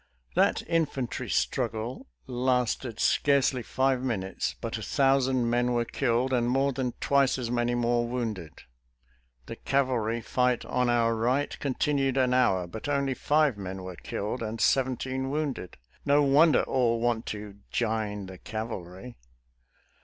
That infantry struggle lasted scarcely five minutes, but a thousand men were killed and more than twice as many more wounded! The cavalry flght on our right continued an hour, but only five men were killed and seventeen wounded. No wonder all want to " jine the cavalry